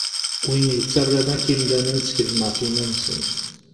Win yettaran akk imdanen tteklen ɣef yiman-nsen.